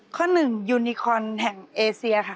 ข้อหนึ่งยูนิคอนแห่งเอเซียค่ะ